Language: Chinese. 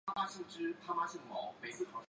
李鏊自幼聪明而勤学。